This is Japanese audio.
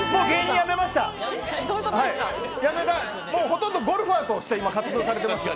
ほとんどゴルファーとして活動されています。